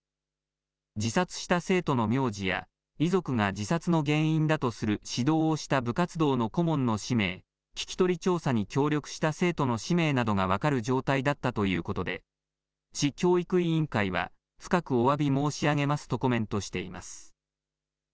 自殺した生徒の名字や遺族が自殺の原因だとする指導をした部活動の顧問の氏名、聞き取り調査に協力した生徒の氏名などが分かる状態だったということで市教育委員会は深くおわび申し上げますとコメントしています。